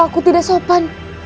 aku tidak sopan